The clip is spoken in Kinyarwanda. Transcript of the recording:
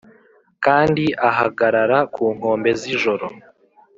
kandi ahagarara ku nkombe z'ijoro